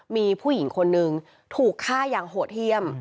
มีผู้หญิงคนนึงถูกฆ่าอย่างโหดเยี่ยม